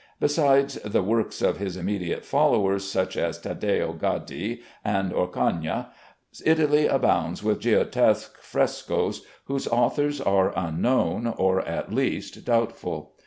Besides the works of his immediate followers, such as Taddeo Gaddi and Orcagna, Italy abounds with Giottesque frescoes, whose authors are unknown, or at least doubtful.